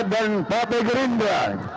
dan partai gerindra